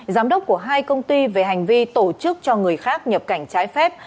giám đốc của hai công ty về hành vi tổ chức cho người khác nhập cảnh trái phép